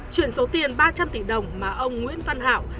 chuyển số tiền ba trăm linh tỷ đồng mà ông nguyễn văn hảo